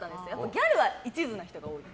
ギャルは一途な人が多い。